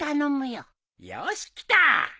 よしきた！